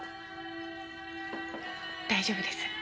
大丈夫です。